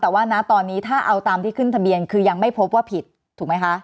แต่ว่านะตอนนี้ถ้าเอาตามที่ขึ้นทะเบียนคือยังไม่พบว่าผิดถูกไหมคะ